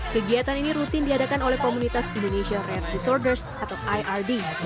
kegiatan ini rutin diadakan oleh komunitas indonesia red resorders atau ird